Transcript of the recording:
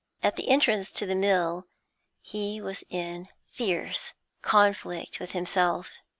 At the entrance to the mill he was in fierce conflict with himself.